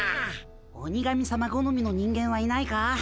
鬼神さまごのみの人間はいないか？